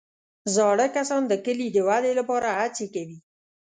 زاړه کسان د کلي د ودې لپاره هڅې کوي